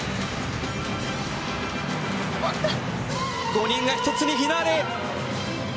５人が１つにフィナーレ。